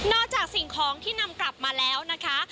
จากสิ่งของที่นำกลับมาแล้วนะคะ